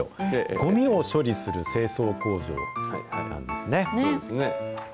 ごみを処理する清掃工場なんですね。